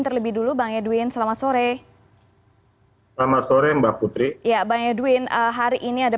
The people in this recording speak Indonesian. terlebih dulu bang edwin selamat sore selamat sore mbak putri ya bang edwin hari ini ada